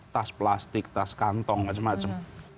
tas plastik tas kantong macam macam